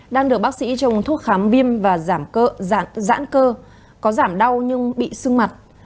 đang được bác sĩ trồng thuốc khám viêm và giảm giãn cơ có giảm đau nhưng bị sưng mặt